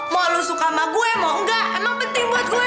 mau lo suka sama gue mau enggak emang penting buat gue